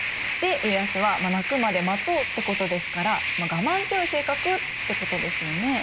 で家康は「鳴くまで待とう」ってことですから我慢強い性格ってことですよね。